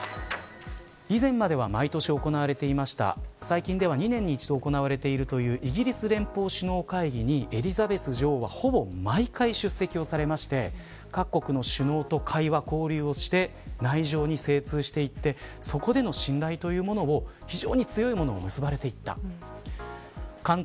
以前までは毎年行われていました最近には２年に一度行われているイギリス連邦首脳会議にエリザベス女王は、ほぼ毎年出席をされていまして各国の首脳と会話、交流をして内情に精通していって、そこで非常に熱い信頼を結んでいかれた。